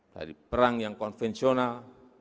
dari perang yang konvensional